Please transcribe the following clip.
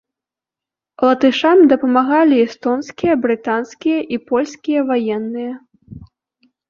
Латышам дапамагалі эстонскія, брытанскія і польскія ваенныя.